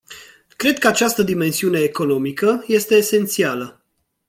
Cred că această dimensiune economică este esențială.